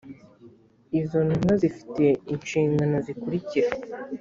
izo ntumwa zifite inshingano zikurikira